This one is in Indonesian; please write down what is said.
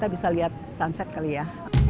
kita bisa lihat sunset kali ya